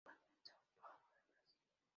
Se encuentra en Sao Paulo en Brasil.